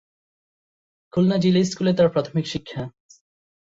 খুলনা জিলা স্কুলে তার প্রাথমিক শিক্ষা।